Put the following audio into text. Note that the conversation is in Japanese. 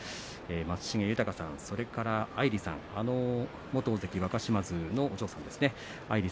松重豊さん、アイリさん元大関若嶋津のお嬢さんです。